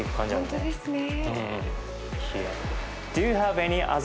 本当ですね。